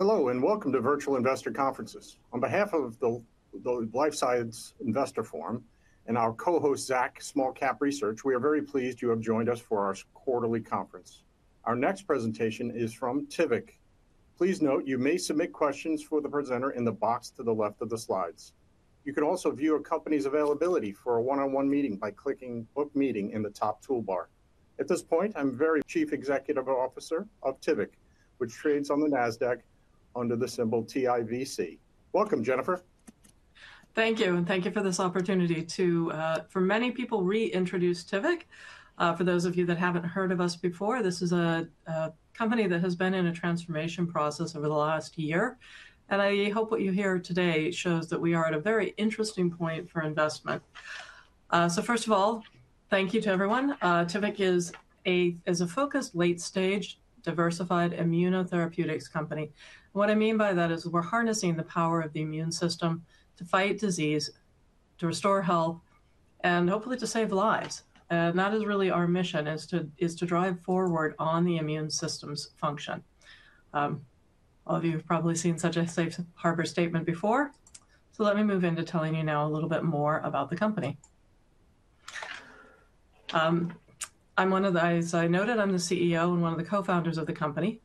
Hello, and welcome to Virtual Investor Conferences. On behalf of the Life Science Investor Forum and our co-host, Small Cap Research, we are very pleased you have joined us for our quarterly conference. Our next presentation is from Tivic. Please note you may submit questions for the presenter in the box to the left of the slides. You can also view a company's availability for a one-on-one meeting by clicking "Book Meeting" in the top toolbar. At this point, I'm very pleased to introduce the Chief Executive Officer of Tivic, which trades on the NASDAQ under the symbol TIVC. Welcome, Jennifer. Thank you, and thank you for this opportunity to, for many people, reintroduce Tivic. For those of you that haven't heard of us before, this is a company that has been in a transformation process over the last year, and I hope what you hear today shows that we are at a very interesting point for investment. First of all, thank you to everyone. Tivic is a focused late-stage diversified immunotherapeutics company. What I mean by that is we're harnessing the power of the immune system to fight disease, to restore health, and hopefully to save lives. That is really our mission, to drive forward on the immune system's function. All of you have probably seen such a safe harbor statement before. Let me move into telling you now a little bit more about the company. I'm one of the, as I noted, I'm the CEO and one of the co-founders of the company.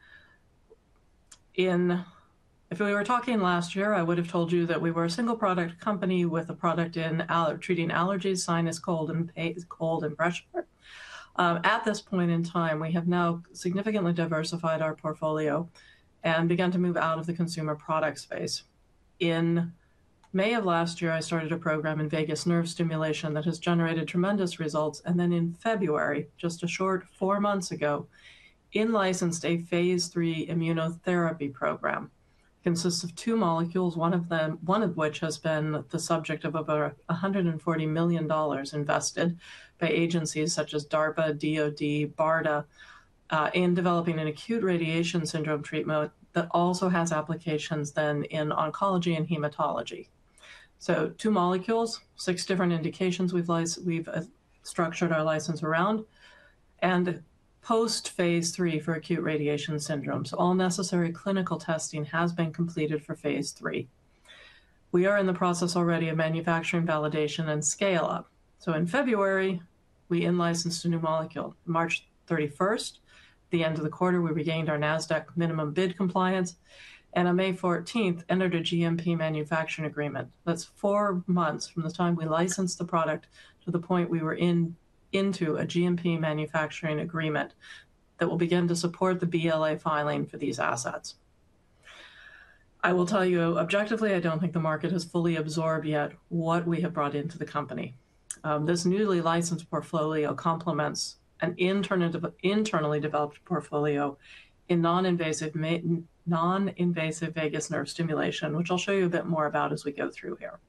If we were talking last year, I would have told you that we were a single-product company with a product in treating allergies, sinus, cold, and breast pain. At this point in time, we have now significantly diversified our portfolio and began to move out of the consumer product space. In May of last year, I started a program in vagus nerve stimulation that has generated tremendous results. In February, just a short four months ago, I licensed a phase III immunotherapy program. It consists of two molecules, one of which has been the subject of over $140 million invested by agencies such as DARPA, DoD, BARDA, in developing an acute radiation syndrome treatment that also has applications then in oncology and hematology. Two molecules, six different indications we've structured our license around, and post phase III for acute radiation syndrome. All necessary clinical testing has been completed for phase III. We are in the process already of manufacturing validation and scale-up. In February, we licensed a new molecule. March 31, the end of the quarter, we regained our NASDAQ minimum bid compliance, and on May 14, entered a GMP Manufacturing Agreement. That's four months from the time we licensed the product to the point we were into a GMP Manufacturing Agreement that will begin to support the BLA filing for these assets. I will tell you objectively, I don't think the market has fully absorbed yet what we have brought into the company. This newly licensed portfolio complements an internally developed portfolio in non-invasive vagus nerve stimulation, which I'll show you a bit more about as we go through here.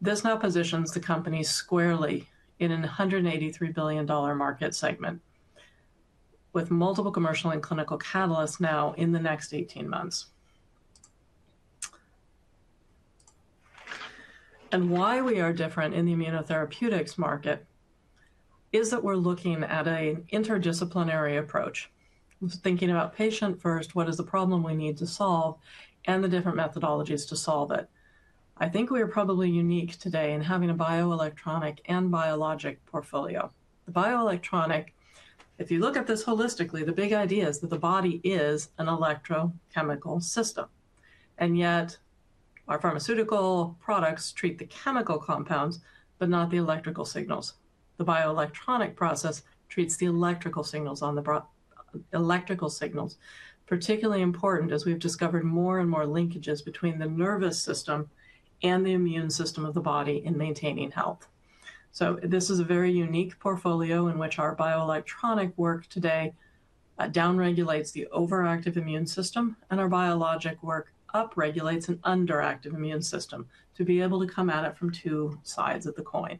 This now positions the company squarely in a $183 billion market segment with multiple commercial and clinical catalysts now in the next 18 months. Why we are different in the immunotherapeutics market is that we're looking at an interdisciplinary approach. We're thinking about patient first, what is the problem we need to solve, and the different methodologies to solve it. I think we are probably unique today in having a bioelectronic and biologic portfolio. The bioelectronic, if you look at this holistically, the big idea is that the body is an electrochemical system, and yet our pharmaceutical products treat the chemical compounds, but not the electrical signals. The bioelectronic process treats the electrical signals on the electrical signals, particularly important as we've discovered more and more linkages between the nervous system and the immune system of the body in maintaining health. This is a very unique portfolio in which our bioelectronic work today downregulates the overactive immune system, and our biologic work upregulates an underactive immune system to be able to come at it from two sides of the coin.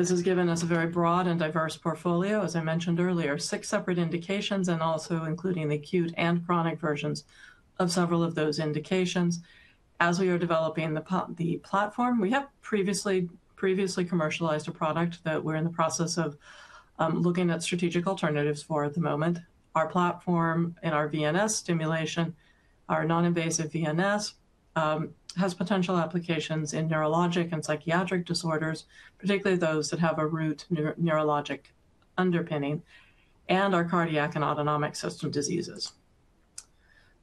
This has given us a very broad and diverse portfolio, as I mentioned earlier, six separate indications, and also including the acute and chronic versions of several of those indications. As we are developing the platform, we have previously commercialized a product that we're in the process of looking at strategic alternatives for at the moment. Our platform in our VNS stimulation, our non-invasive VNS, has potential applications in neurologic and psychiatric disorders, particularly those that have a root neurologic underpinning, and our cardiac and autonomic system diseases.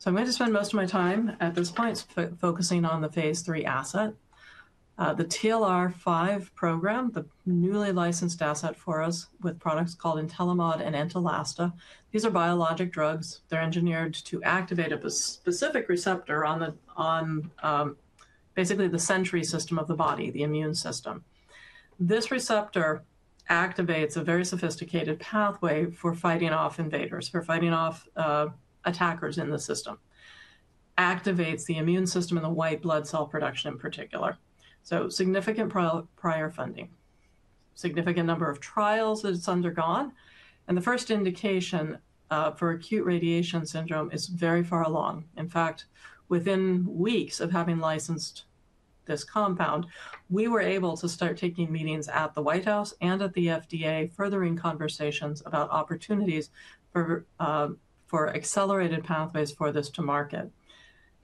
I'm going to spend most of my time at this point focusing on the phase three asset, the TLR5 program, the newly licensed asset for us with products called Intelamod and Entalasta. These are biologic drugs. They're engineered to activate a specific receptor on basically the sensory system of the body, the immune system. This receptor activates a very sophisticated pathway for fighting off invaders, for fighting off attackers in the system, activates the immune system and the white blood cell production in particular. Significant prior funding, significant number of trials that it's undergone, and the first indication for acute radiation syndrome is very far along. In fact, within weeks of having licensed this compound, we were able to start taking meetings at the White House and at the FDA, furthering conversations about opportunities for accelerated pathways for this to market.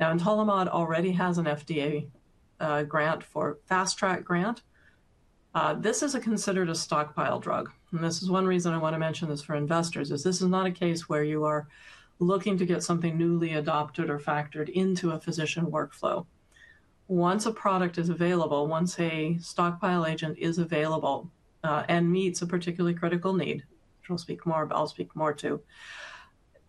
Now, Intelamod already has an FDA grant for fast-track designation. This is considered a stockpile drug, and this is one reason I want to mention this for investors, is this is not a case where you are looking to get something newly adopted or factored into a physician workflow. Once a product is available, once a stockpile agent is available and meets a particularly critical need, which I'll speak more about, I'll speak more to,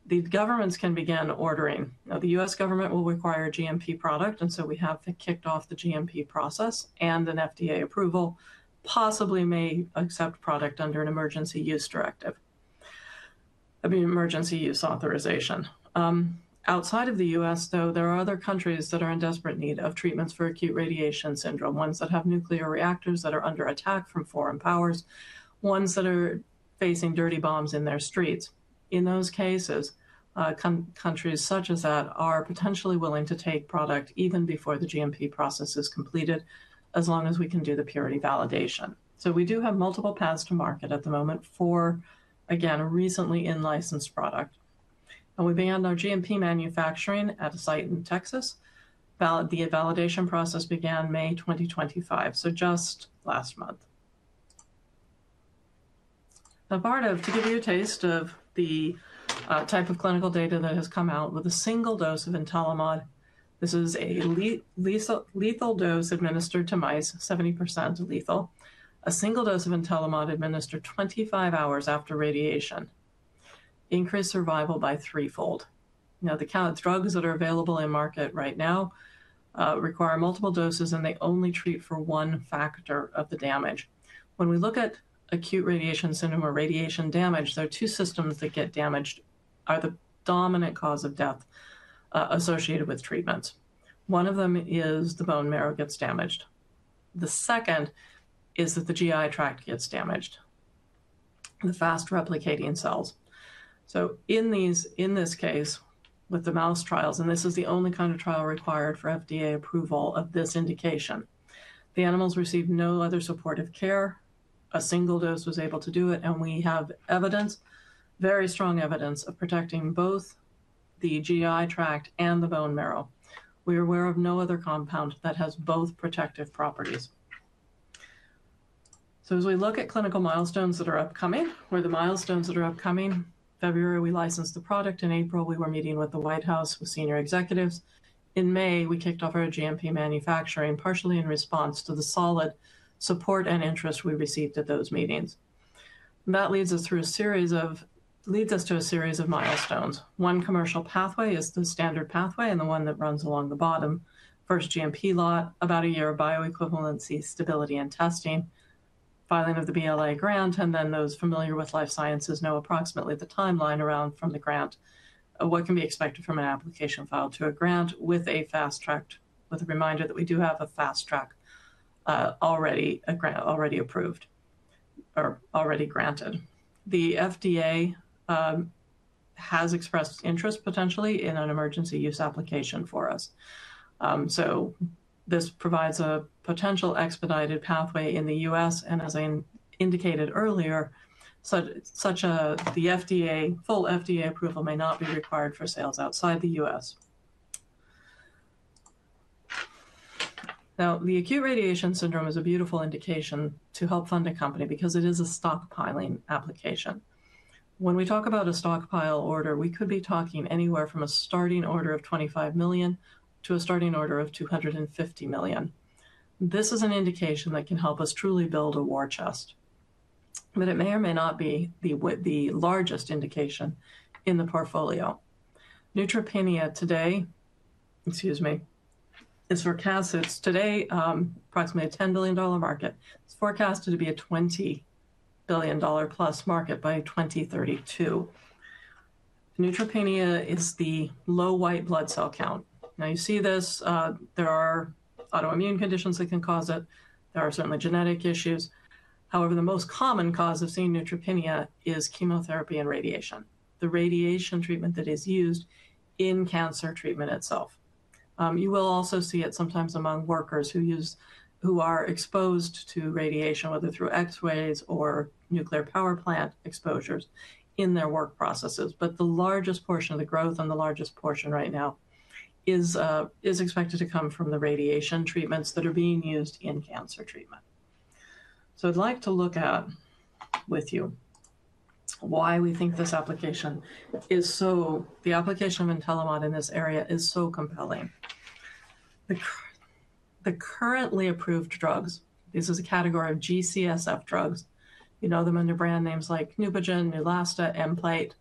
the governments can begin ordering. Now, the U.S. government will require a GMP product, and so we have kicked off the GMP process and an FDA approval, possibly may accept product under an emergency use directive, an emergency use authorization. Outside of the U.S., though, there are other countries that are in desperate need of treatments for acute radiation syndrome, ones that have nuclear reactors that are under attack from foreign powers, ones that are facing dirty bombs in their streets. In those cases, countries such as that are potentially willing to take product even before the GMP process is completed, as long as we can do the purity validation. We do have multiple paths to market at the moment for, again, a recently in-licensed product. We began our GMP manufacturing at a site in Texas. The validation process began May 2024, so just last month. Now, BARDA, to give you a taste of the type of clinical data that has come out with a single dose of Intelamod, this is a lethal dose administered to mice, 70% lethal. A single dose of Intelamod administered 25 hours after radiation increased survival by threefold. Now, the drugs that are available in market right now require multiple doses, and they only treat for one factor of the damage. When we look at acute radiation syndrome or radiation damage, there are two systems that get damaged, are the dominant cause of death associated with treatment. One of them is the bone marrow gets damaged. The second is that the GI tract gets damaged, the fast replicating cells. In this case, with the mouse trials, and this is the only kind of trial required for FDA approval of this indication, the animals received no other supportive care. A single dose was able to do it, and we have evidence, very strong evidence of protecting both the GI tract and the bone marrow. We are aware of no other compound that has both protective properties. As we look at clinical milestones that are upcoming, the milestones that are upcoming, February, we licensed the product. In April, we were meeting with the White House with senior executives. In May, we kicked off our GMP manufacturing partially in response to the solid support and interest we received at those meetings. That leads us to a series of milestones. One commercial pathway is the standard pathway and the one that runs along the bottom. First GMP law, about a year of bioequivalency stability and testing, filing of the BLA grant, and then those familiar with life sciences know approximately the timeline around from the grant, what can be expected from an application filed to a grant with a fast track, with a reminder that we do have a fast track already approved or already granted. The FDA has expressed interest potentially in an emergency use application for us. This provides a potential expedited pathway in the U.S., and as I indicated earlier, the FDA, full FDA approval may not be required for sales outside the U.S. Now, the acute radiation syndrome is a beautiful indication to help fund a company because it is a stockpiling application. When we talk about a stockpile order, we could be talking anywhere from a starting order of $25 million to a starting order of $250 million. This is an indication that can help us truly build a war chest, but it may or may not be the largest indication in the portfolio. Neutropenia today, excuse me, is forecast, it's today approximately a $10 billion market. It's forecasted to be a $20 billion plus market by 2032. Neutropenia is the low white blood cell count. Now, you see this, there are autoimmune conditions that can cause it. There are certainly genetic issues. However, the most common cause of seeing neutropenia is chemotherapy and radiation, the radiation treatment that is used in cancer treatment itself. You will also see it sometimes among workers who use, who are exposed to radiation, whether through X-rays or nuclear power plant exposures in their work processes. The largest portion of the growth and the largest portion right now is expected to come from the radiation treatments that are being used in cancer treatment. I would like to look out with you why we think this application is so, the application of Intelamod in this area is so compelling. The currently approved drugs, this is a category of G-CSF drugs. You know them under brand names like Neupogen, Neulasta, M-Plate.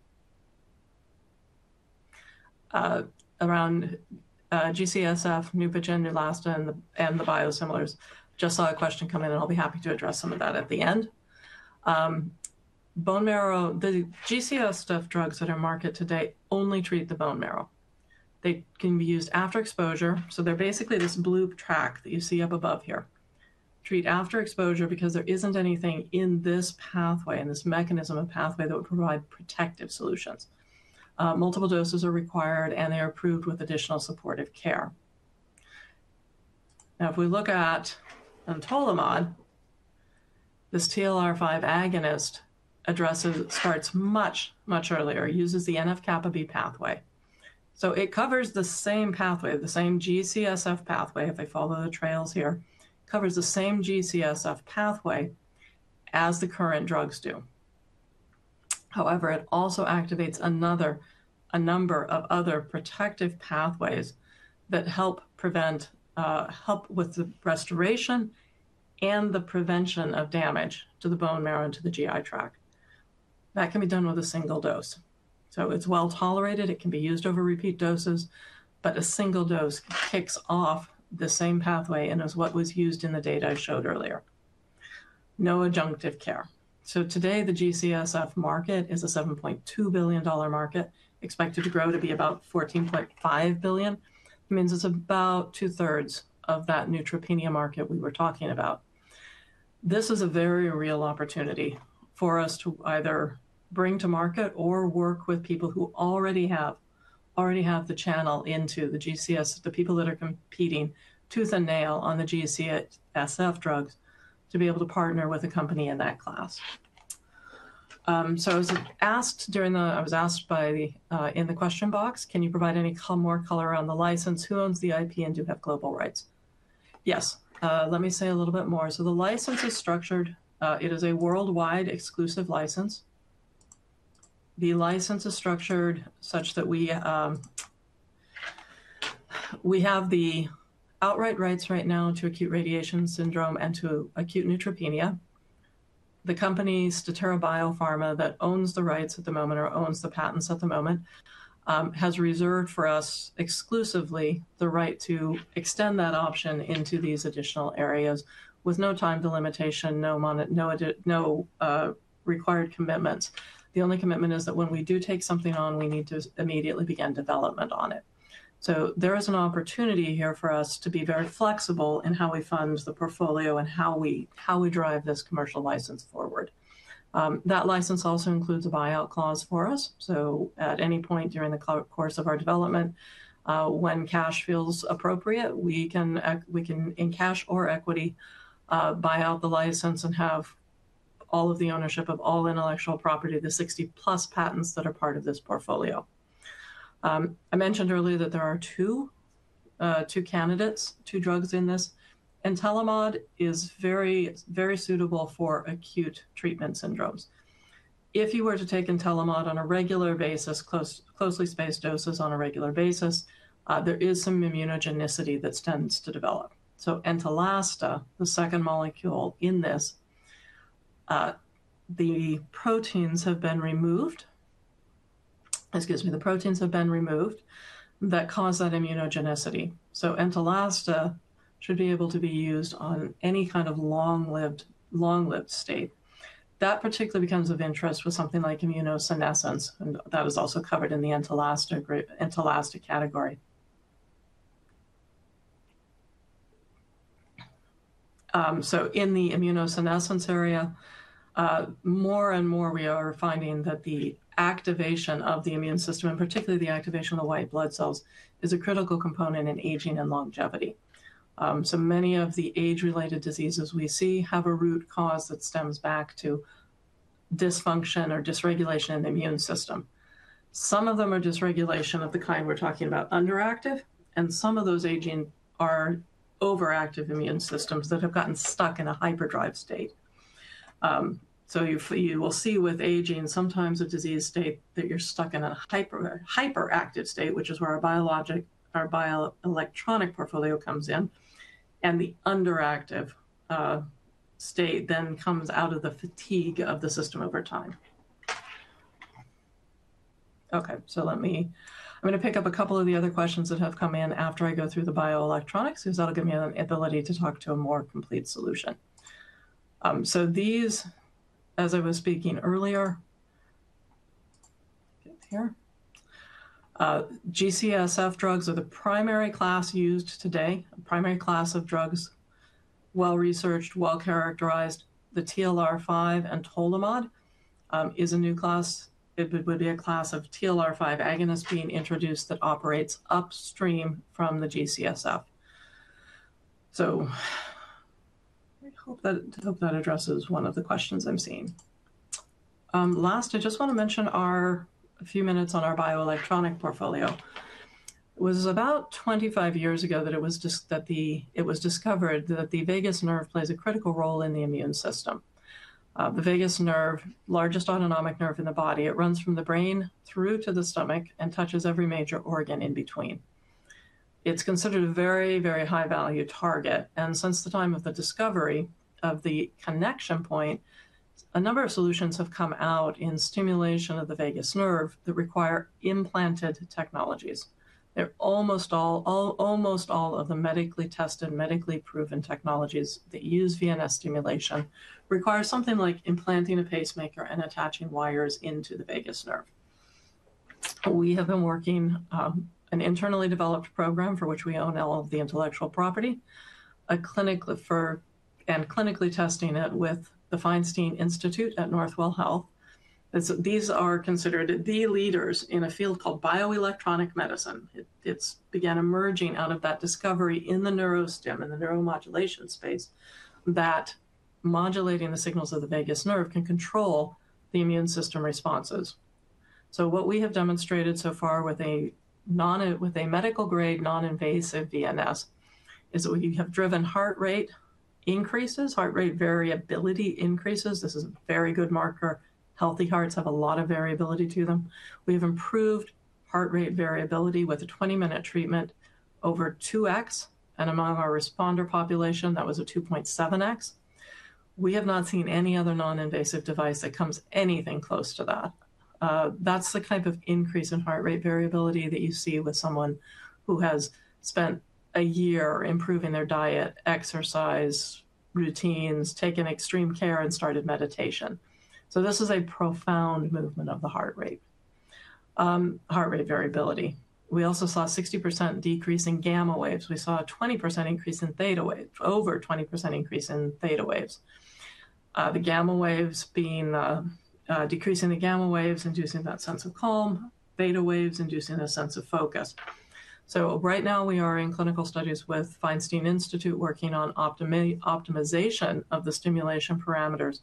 Around G-CSF, Neupogen, Neulasta, and the biosimilars. Just saw a question come in, and I'll be happy to address some of that at the end. Bone marrow, the G-CSF drugs that are in market today only treat the bone marrow. They can be used after exposure. They are basically this blue track that you see up above here. Treat after exposure because there is not anything in this pathway and this mechanism of pathway that would provide protective solutions. Multiple doses are required, and they are approved with additional supportive care. Now, if we look at Intelamod, this TLR5 agonist addresses, starts much, much earlier, uses the NF-kB pathway. It covers the same pathway, the same G-CSF pathway. If I follow the trails here, covers the same G-CSF pathway as the current drugs do. However, it also activates a number of other protective pathways that help prevent, help with the restoration and the prevention of damage to the bone marrow and to the GI tract. That can be done with a single dose. It is well tolerated. It can be used over repeat doses, but a single dose kicks off the same pathway and is what was used in the data I showed earlier. No adjunctive care. Today, the G-CSF market is a $7.2 billion market, expected to grow to be about $14.5 billion. It means it's about two-thirds of that neutropenia market we were talking about. This is a very real opportunity for us to either bring to market or work with people who already have the channel into the G-CSF, the people that are competing tooth and nail on the G-CSF drugs to be able to partner with a company in that class. I was asked in the question box, can you provide any more color on the license? Who owns the IP and do you have global rights? Yes. Let me say a little bit more. The license is structured, it is a worldwide exclusive license. The license is structured such that we have the outright rights right now to acute radiation syndrome and to acute neutropenia. The company, Statera Biopharma, that owns the rights at the moment or owns the patents at the moment, has reserved for us exclusively the right to extend that option into these additional areas with no time limitation, no required commitments. The only commitment is that when we do take something on, we need to immediately begin development on it. There is an opportunity here for us to be very flexible in how we fund the portfolio and how we drive this commercial license forward. That license also includes a buyout clause for us. At any point during the course of our development, when cash feels appropriate, we can, in cash or equity, buy out the license and have all of the ownership of all intellectual property, the 60-plus patents that are part of this portfolio. I mentioned earlier that there are two candidates, two drugs in this. Intelamod is very, very suitable for acute treatment syndromes. If you were to take Intelamod on a regular basis, closely spaced doses on a regular basis, there is some immunogenicity that tends to develop. Entalasta, the second molecule in this, the proteins have been removed, excuse me, the proteins have been removed that cause that immunogenicity. Entalasta should be able to be used on any kind of long-lived state. That particularly becomes of interest with something like immunosenescence, and that is also covered in the Entalasta category. In the immunosenescence area, more and more we are finding that the activation of the immune system, and particularly the activation of the white blood cells, is a critical component in aging and longevity. Many of the age-related diseases we see have a root cause that stems back to dysfunction or dysregulation in the immune system. Some of them are dysregulation of the kind we're talking about underactive, and some of those aging are overactive immune systems that have gotten stuck in a hyperdrive state. You will see with aging, sometimes a disease state that you're stuck in a hyperactive state, which is where our bioelectronic portfolio comes in, and the underactive state then comes out of the fatigue of the system over time. Okay, let me, I'm going to pick up a couple of the other questions that have come in after I go through the bioelectronics, because that'll give me an ability to talk to a more complete solution. These, as I was speaking earlier, G-CSF drugs are the primary class used today, a primary class of drugs, well-researched, well-characterized. The TLR5, Intelamod, is a new class. It would be a class of TLR5 agonist being introduced that operates upstream from the G-CSF. I hope that addresses one of the questions I'm seeing. Last, I just want to mention our few minutes on our bioelectronic portfolio. It was about 25 years ago that it was discovered that the vagus nerve plays a critical role in the immune system. The vagus nerve, largest autonomic nerve in the body, it runs from the brain through to the stomach and touches every major organ in between. It is considered a very, very high-value target. Since the time of the discovery of the connection point, a number of solutions have come out in stimulation of the vagus nerve that require implanted technologies. Almost all of the medically tested, medically proven technologies that use VNS stimulation require something like implanting a pacemaker and attaching wires into the vagus nerve. We have been working on an internally developed program for which we own all of the intellectual property, and clinically testing it with the Feinstein Institutes for Medical Research at Northwell Health. These are considered the leaders in a field called bioelectronic medicine. It began emerging out of that discovery in the neurostim and the neuromodulation space that modulating the signals of the vagus nerve can control the immune system responses. What we have demonstrated so far with a medical-grade non-invasive VNS is that we have driven heart rate increases, heart rate variability increases. This is a very good marker. Healthy hearts have a lot of variability to them. We have improved heart rate variability with a 20-minute treatment over 2X, and among our responder population, that was a 2.7X. We have not seen any other non-invasive device that comes anything close to that. That is the kind of increase in heart rate variability that you see with someone who has spent a year improving their diet, exercise routines, taken extreme care, and started meditation. This is a profound movement of the heart rate, heart rate variability. We also saw a 60% decrease in gamma waves. We saw a 20% increase in theta waves, over 20% increase in theta waves. The gamma waves being the decrease in the gamma waves inducing that sense of calm, theta waves inducing a sense of focus. Right now we are in clinical studies with Feinstein Institutes for Medical Research working on optimization of the stimulation parameters.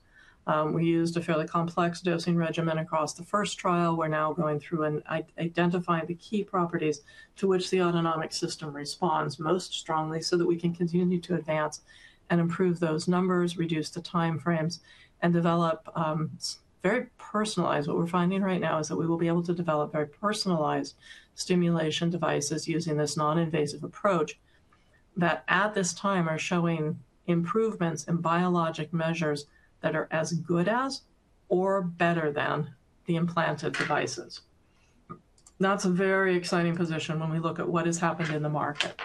We used a fairly complex dosing regimen across the first trial. We are now going through and identifying the key properties to which the autonomic system responds most strongly so that we can continue to advance and improve those numbers, reduce the timeframes, and develop very personalized. What we're finding right now is that we will be able to develop very personalized stimulation devices using this non-invasive approach that at this time are showing improvements in biologic measures that are as good as or better than the implanted devices. That's a very exciting position when we look at what has happened in the market.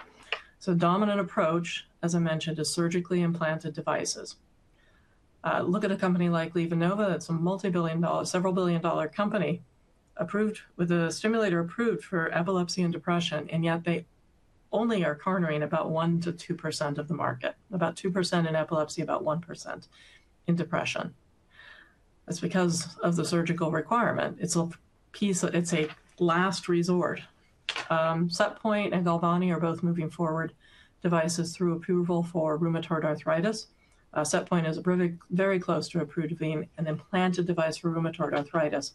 The dominant approach, as I mentioned, is surgically implanted devices. Look at a company like LivaNova. It's a multi-billion, several billion dollar company with a stimulator approved for epilepsy and depression, and yet they only are cornering about 1-2% of the market, about 2% in epilepsy, about 1% in depression. That's because of the surgical requirement. It's a piece, it's a last resort. SetPoint and Galvani are both moving forward devices through approval for rheumatoid arthritis. SetPoint is very close to approved being an implanted device for rheumatoid arthritis.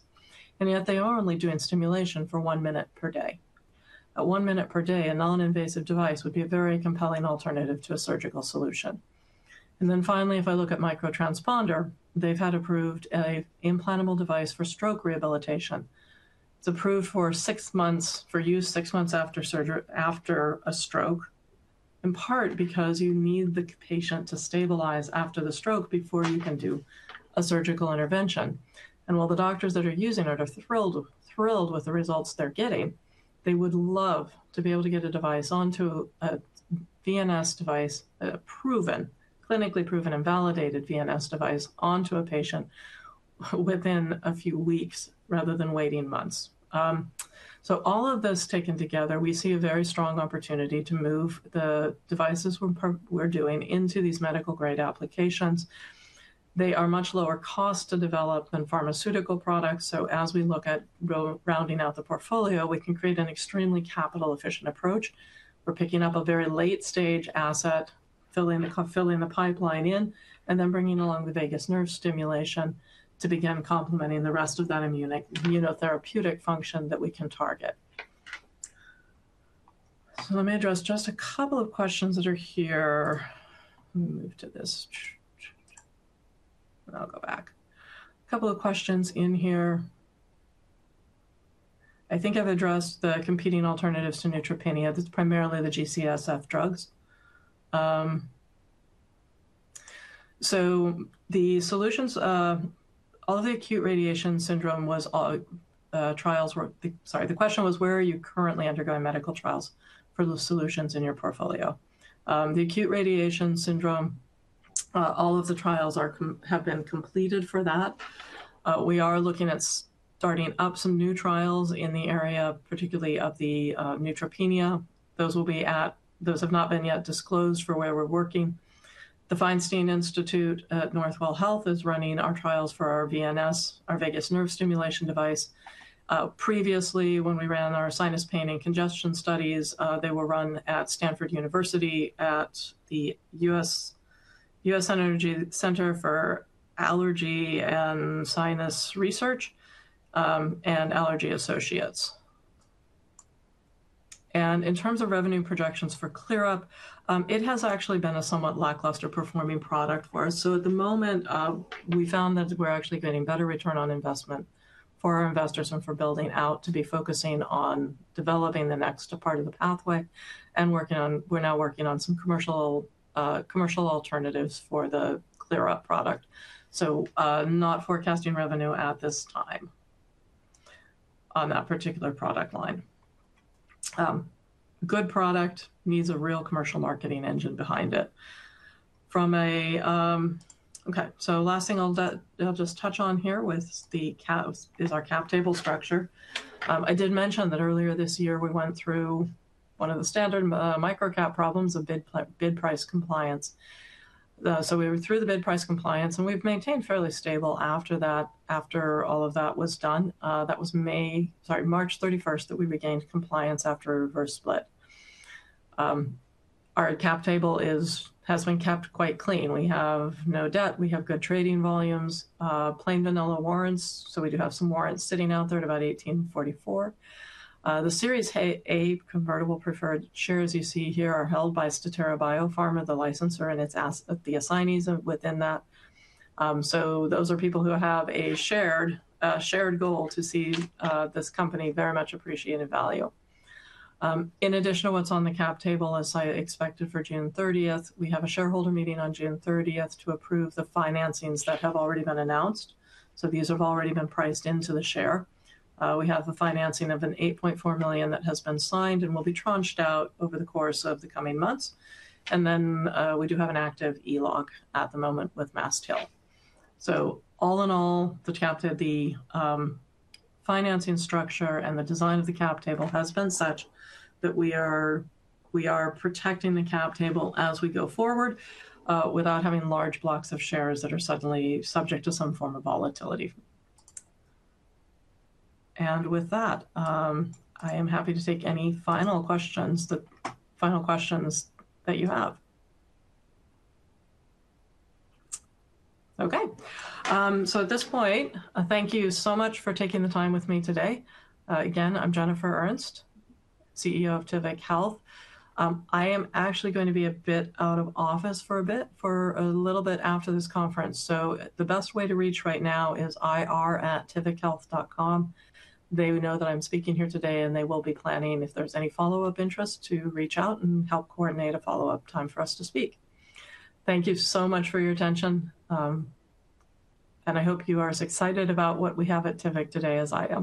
Yet they are only doing stimulation for one minute per day. At one minute per day, a non-invasive device would be a very compelling alternative to a surgical solution. Finally, if I look at MicroTransponder, they've had approved an implantable device for stroke rehabilitation. It's approved for six months for use, six months after a stroke, in part because you need the patient to stabilize after the stroke before you can do a surgical intervention. While the doctors that are using it are thrilled with the results they're getting, they would love to be able to get a device onto a VNS device, a proven, clinically proven and validated VNS device onto a patient within a few weeks rather than waiting months. All of this taken together, we see a very strong opportunity to move the devices we're doing into these medical-grade applications. They are much lower cost to develop than pharmaceutical products. As we look at rounding out the portfolio, we can create an extremely capital-efficient approach. We're picking up a very late-stage asset, filling the pipeline in, and then bringing along the vagus nerve stimulation to begin complementing the rest of that immunotherapeutic function that we can target. Let me address just a couple of questions that are here. Let me move to this. I'll go back. A couple of questions in here. I think I've addressed the competing alternatives to neutropenia. That's primarily the G-CSF drugs. The solutions, all of the acute radiation syndrome trials were—sorry, the question was, where are you currently undergoing medical trials for the solutions in your portfolio? The acute radiation syndrome, all of the trials have been completed for that. We are looking at starting up some new trials in the area, particularly of the neutropenia. Those will be at, those have not been yet disclosed for where we're working. The Feinstein Institutes for Medical Research at Northwell Health is running our trials for our VNS, our vagus nerve stimulation device. Previously, when we ran our sinus pain and congestion studies, they were run at Stanford University at the U.S. Center for Allergy and Sinus Research and Allergy Associates. In terms of revenue projections for ClearUp, it has actually been a somewhat lackluster performing product for us. At the moment, we found that we're actually getting better return on investment for our investors and for building out to be focusing on developing the next part of the pathway and working on, we're now working on some commercial alternatives for the ClearUp product. Not forecasting revenue at this time on that particular product line. Good product needs a real commercial marketing engine behind it. From a, okay, last thing I'll just touch on here with the cap is our cap table structure. I did mention that earlier this year we went through one of the standard micro cap problems of bid price compliance. We were through the bid price compliance and we've maintained fairly stable after that, after all of that was done. That was March 31, 2023, that we regained compliance after reverse split. Our cap table has been kept quite clean. We have no debt. We have good trading volumes, plain vanilla warrants. We do have some warrants sitting out there at about $18.44. The Series A convertible preferred shares you see here are held by Statera Biopharma, the licensor and the assignees within that. Those are people who have a shared goal to see this company very much appreciated value. In addition to what is on the cap table, as I expected for June 30th, we have a shareholder meeting on June 30th to approve the financings that have already been announced. These have already been priced into the share. We have the financing of $8.4 million that has been signed and will be tranched out over the course of the coming months. We do have an active ELOC at the moment with MassTel. All in all, the cap table, the financing structure, and the design of the cap table has been such that we are protecting the cap table as we go forward without having large blocks of shares that are suddenly subject to some form of volatility. With that, I am happy to take any final questions, the final questions that you have. Okay, at this point, thank you so much for taking the time with me today. Again, I'm Jennifer Ernst, CEO of Tivic Health. I am actually going to be a bit out of office for a bit, for a little bit after this conference. The best way to reach right now is ir@tivichealth.com. They know that I'm speaking here today and they will be planning if there's any follow-up interest to reach out and help coordinate a follow-up time for us to speak. Thank you so much for your attention. I hope you are as excited about what we have at Tivic today as I am.